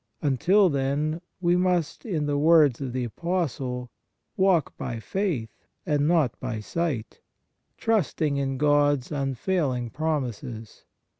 Until then we must, in the words of the Apostle, walk by faith and not by sight, trusting in God s unfailing promises.